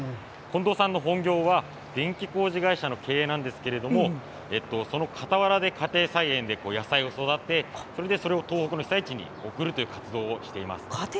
近藤さんの本業は、電気工事会社の経営なんですけれども、そのかたわらで家庭菜園で野菜を育て、それでそれを東北の被災地に送るという活動をしています。